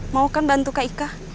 mau kan bantu kak ika